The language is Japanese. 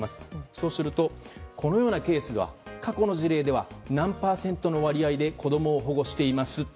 そうするとこのようなケースが過去の事例では何パーセントの割合で子供を保護しています。